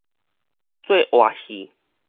做活戲